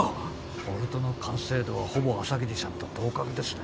ボルトの完成度はほぼ朝霧さんと同格ですね。